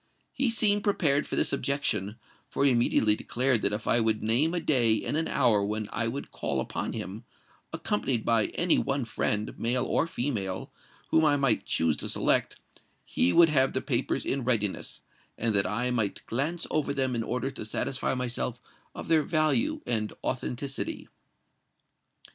He seemed prepared for this objection; for he immediately declared that if I would name a day and an hour when I would call upon him, accompanied by any one friend, male or female, whom I might choose to select, he would have the papers in readiness, and that I might glance over them in order to satisfy myself of their value and authenticity."